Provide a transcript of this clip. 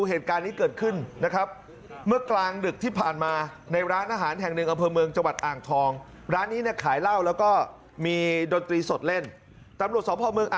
ก็ทิ้งจับรถจัดกระยานยนต์หลับหลบถึงอะไรอยู่ตอนนี้ก็พิธีพฤหารเก่าต้มเรือ